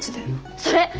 それ！